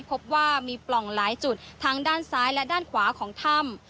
พบว่ามีปล่องหลายจุดทั้งด้านซ้ายและด้านขวาของถ้ำ